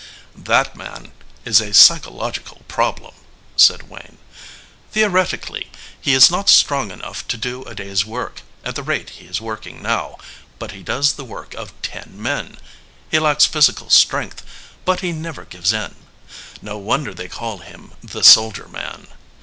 "That man is a psychological problem/ said Wayne. "Theoretically he is not strong enough to do a day s work at the rate he is working now, but he does the work of ten men. He lacks physi cal strength, but he never gives in. No wonder they call him the Soldier Man.